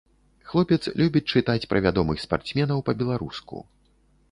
Хлопец любіць чытаць пра вядомых спартсменаў па-беларуску.